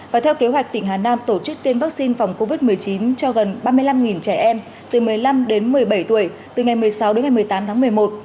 và theo kế hoạch tỉnh hà nam tổ chức tiêm vaccine phòng covid một mươi chín cho gần ba mươi năm trẻ em từ một mươi năm đến một mươi bảy tuổi từ ngày một mươi sáu đến ngày một mươi tám tháng một mươi một